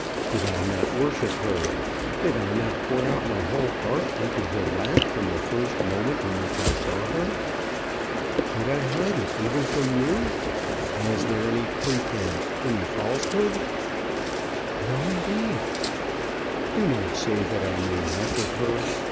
Did I not worship her? Did I not pour out my whole heart into her lap from the first moment in which I saw her? Did I hide it even from you? Was there any pretence, any falsehood?" "No, indeed." "Do not say that I made much of her.